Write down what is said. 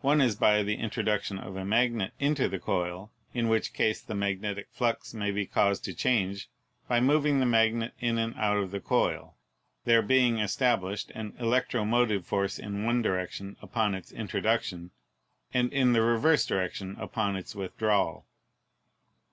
One is by the introduc tion of a magnet into the coil, in which case the magnetic flux may be caused to change by moving the magnet in and out of the coil, there being established an electromotive force in one direction upon its introduction, and in the reverse direction upon its withdrawal.